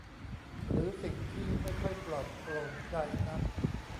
หรือสิ่งที่ไม่ค่อยปลอดโปร่งใจนัก